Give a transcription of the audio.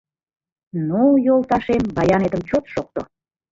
Ну, йолташем, баянетым чот шокто